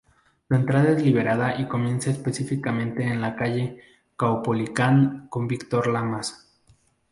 Su entrada es liberada y comienza específicamente en la calle Caupolicán con Víctor Lamas.